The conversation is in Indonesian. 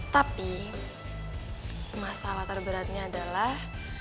tapi masalah terberatnya adalah